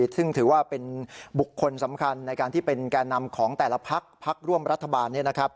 ซึ่งถือว่าเป็นบุคคลสำคัญในการที่เป็นแก่นำของแต่ละพักพักร่วมรัฐบาล